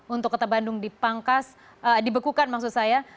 untuk kota bandung dipangkas dibekukan maksud saya